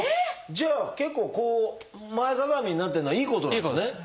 じゃあ結構前かがみになってるのはいいことなんですね。